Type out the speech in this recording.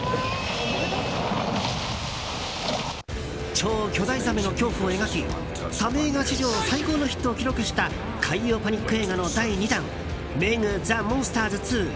超巨大ザメの恐怖を描きサメ映画史上最高のヒットを記録した海洋パニック映画の第２弾「ＭＥＧザ・モンスターズ２」。